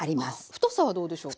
太さはどうでしょうか？